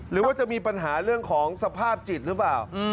หรือว่าจะมีปัญหาสถาบัติจิตรู้มั้ย